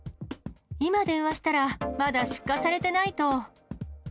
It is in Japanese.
今電話したら、まだ出荷されてないと。